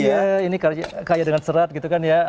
iya ini kaya dengan serat gitu kan ya